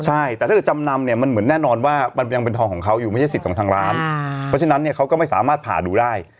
ใช่แต่ถ้าเกิดจำนำเนี่ยมันเหมือนแน่นอนว่ามันยังเป็นทองของเขาอยู่ไม่ใช่สิทธิ์ของทางร้านเพราะฉะนั้นเนี่ยเขาก็ไม่สามารถผ่าดูได้